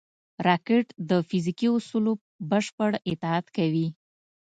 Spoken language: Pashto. راکټ د فزیکي اصولو بشپړ اطاعت کوي